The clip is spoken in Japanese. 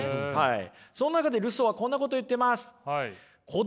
その中でルソーはこんなこと言ってます。